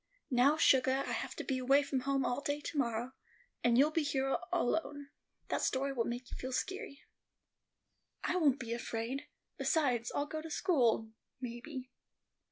"Now, sugah, I have to be away from home all day to morrow, and you'll be here alone; that story will make you feel skeery." "I won't be afraid. Besides, I'll go to school, maybe."